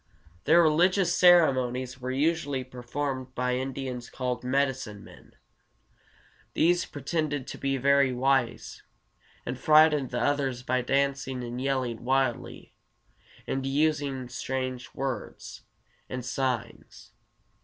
Their religious ceremonies were usually performed by Indians called medicine men. These pretended to be very wise, and frightened the others by dancing and yelling wildly, and using strange words and signs.